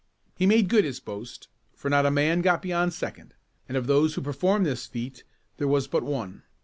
He made good his boast, for not a man got beyond second, and of those who performed this feat there was but one.